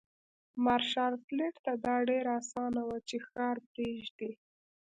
مارشال فيلډ ته دا ډېره اسانه وه چې ښار پرېږدي.